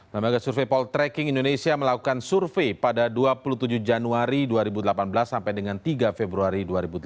lembaga survei poltreking indonesia melakukan survei pada dua puluh tujuh januari dua ribu delapan belas sampai dengan tiga februari dua ribu delapan belas